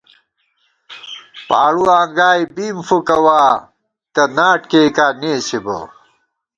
پاڑُواں گائی بِیم فُوکَوا، تہ ناٹ کېئیکاں نېسِبہ